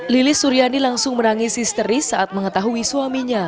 lilis suriani langsung menangis histeris saat mengetahui suaminya